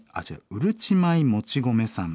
うるち米もち米さん。